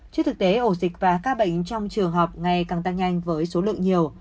trước thực tế ổ dịch và các bệnh trong trường học ngày càng tăng nhanh với số lượng nhiều